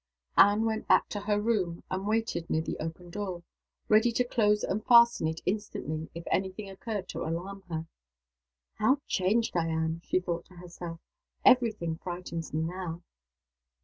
Anne went back to her room, and waited near the open door ready to close and fasten it instantly if any thing occurred to alarm her. "How changed I am!" she thought to herself. "Every thing frightens me, now."